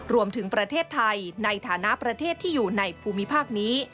รวมถึงประเทศไทยในฐานะประเทศที่อยู่ในภูมิภาคนี้